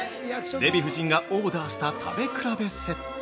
◆デヴィ夫人がオーダーした食べ比べセット。